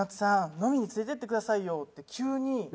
飲みに連れてってくださいよ」って急に。